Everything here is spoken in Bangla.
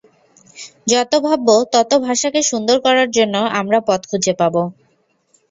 যত ভাবব, তত ভাষাকে সুন্দর করার জন্য আমরা পথ খুঁজে পাব।